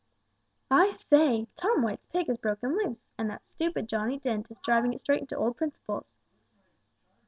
"I say! Tom White's pig has broken loose, and that stupid Johnnie Dent is driving it straight into old Principle's!